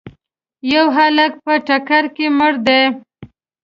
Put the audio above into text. یو هلک په ټکر کي مړ دی.